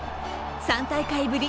３大会ぶり